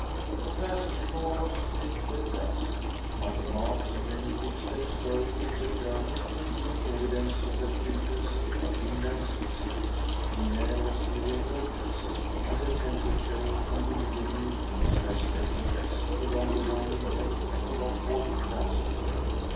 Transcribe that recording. The passage floor was thick with dust, but the marks of many footsteps going and returning gave mute evidence of the frequency of Leland's visits. The air was heavy and oppressive and the temperature and humidity increased as they progressed along the winding length of the rock walled passageway.